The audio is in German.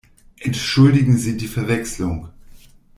Entschuldigen Sie die Verwechslung!